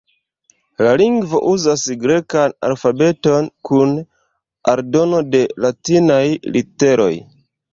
La lingvo uzas grekan alfabeton kun aldono de latinaj literoj.